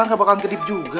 gak bakalan kedip juga